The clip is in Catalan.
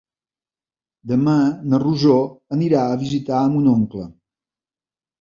Demà na Rosó anirà a visitar mon oncle.